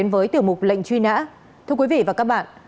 với tiểu mục lệnh truy nã thưa quý vị và các bạn